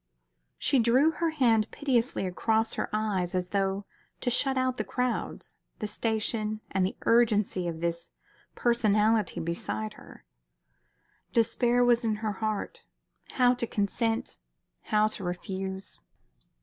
She drew her hand piteously across her eyes as though to shut out the crowds, the station, and the urgency of this personality beside her. Despair was in her heart. How to consent? How to refuse?